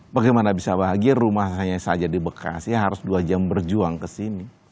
bagaimana bisa bahagia rumah saya saja di bekasi harus dua jam berjuang ke sini